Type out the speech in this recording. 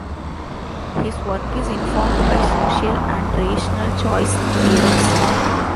His work is informed by social and rational choice theories.